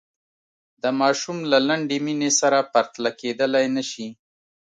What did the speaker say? د ماشوم له لنډې مینې سره پرتله کېدلای نه شي.